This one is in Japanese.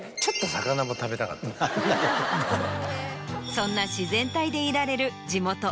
そんな自然体でいられる。